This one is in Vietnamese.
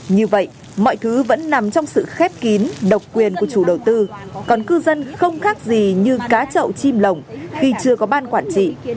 như vậy mọi thứ vẫn nằm trong sự khép kín độc quyền của chủ đầu tư còn cư dân không khác gì như cá chậu chim lồng khi chưa có ban quản trị